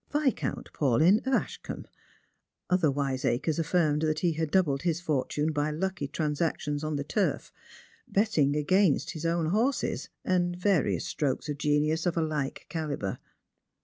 Vis count Paulyn, of Ashcombe — other wiseacres affirmed that he had doubled his fortune by lucky transactions on the turf — betting against his own horses, and various strokes of genius of a like calibre.